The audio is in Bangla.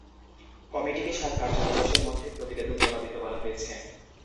কমিটিকে সাত কার্যদিবসের মধ্যে প্রতিবেদন জমা দিতে বলা হয়েছে।